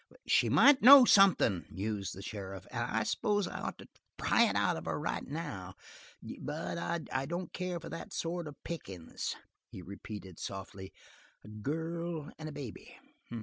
"She might know something," mused the sheriff, "and I s'pose I'd ought to pry it out of her right now: but I don't care for that sort of pickin's." He repeated softly: "A girl and a baby!"